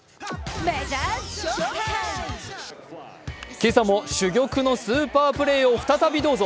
今朝も珠玉のスーパープレーを再びどうぞ。